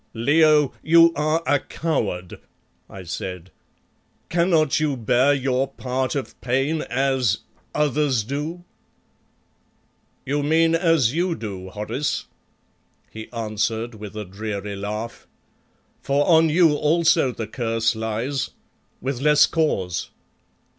"Leo, you are a coward!" I said. "Cannot you bear your part of pain as others do?" "You mean as you do, Horace," he answered with a dreary laugh, "for on you also the curse lies with less cause.